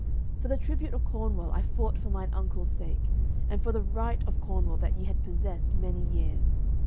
For the tribute of Cornwall I fought for mine uncle's sake, and for the right of Cornwall that ye had possessed many years.